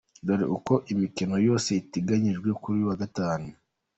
Dore Uko imikino yose iteganyijwe kuri uyu wa Gatanu.